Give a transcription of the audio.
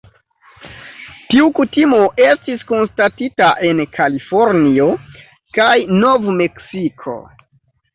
Tiu kutimo estis konstatita en Kalifornio kaj Nov-Meksiko.